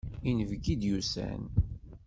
Inebgi i d-yusan.